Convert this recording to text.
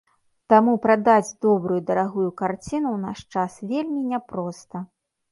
Таму прадаць добрую дарагую карціну ў наш час вельмі няпроста.